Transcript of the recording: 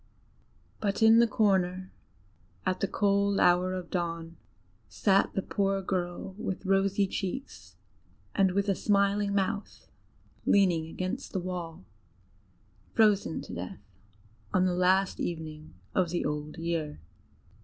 But in the corner, at the cold hour of dawn, sat the poor girl, with rosy cheeks and with a smiling mouth, leaning against the wall frozen to death on the last evening of the old year.